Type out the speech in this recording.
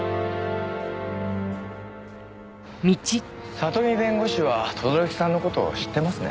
里見弁護士は轟さんの事を知ってますね。